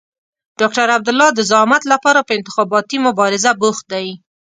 ډاکټر عبدالله د زعامت لپاره په انتخاباتي مبارزه بوخت دی.